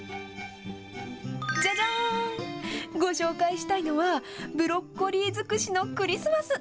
じゃじゃーん、ご紹介したいのは、ブロッコリー尽くしのクリスマス。